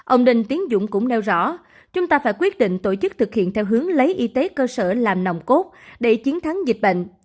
ông đinh tiến dũng cũng nêu rõ chúng ta phải quyết định tổ chức thực hiện theo hướng lấy y tế cơ sở làm nòng cốt để chiến thắng dịch bệnh